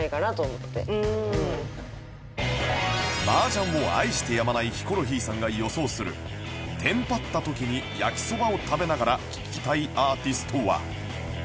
麻雀を愛してやまないヒコロヒーさんが予想するテンパった時に焼きそばを食べながら聴きたいアーティストは？